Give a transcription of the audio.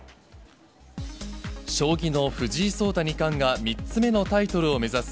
将棋の藤井聡太二冠が、３つ目のタイトルを目指す